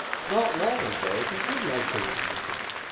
Not long ago he did like to walk with her.